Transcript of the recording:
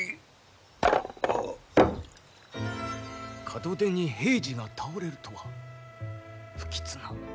門出に瓶子が倒れるとは不吉な。